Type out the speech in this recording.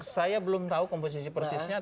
saya belum tahu komposisi persisnya